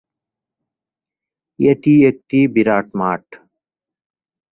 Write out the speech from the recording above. এটি একটি বিরাট মাঠ।